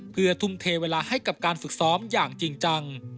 เพื่อทุ่มเทเวลาให้กับการฝึกซ้อมอย่างจริงจัง